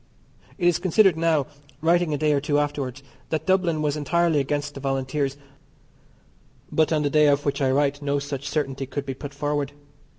It is considered now (writing a day or two afterwards) that Dublin was entirely against the Volunteers, but on the day of which I write no such certainty could be put forward.